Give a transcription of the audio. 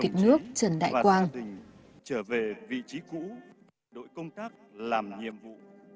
chủ tịch nước trần đại quang trở về vị trí cũ đội công tác làm nhiệm vụ